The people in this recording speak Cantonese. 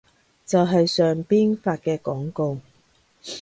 就係上邊發嘅廣告